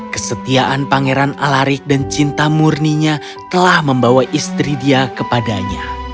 kesetiaan pangeran alarik dan cinta murninya telah membawa istri dia kepadanya